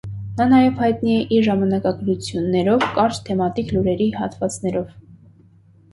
Նա նաև հայտնի էր իր ժամանակագրություններով, կարճ թեմատիկ լուրերի հատվածներով։